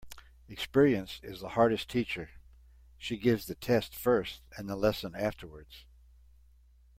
Experience is the hardest teacher. She gives the test first and the lesson afterwards.